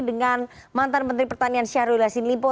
dengan mantan menteri pertanian syahrul yassin limpo